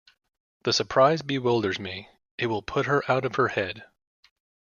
The surprise bewilders me — it will put her out of her head!